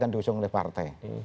yang diusung oleh partai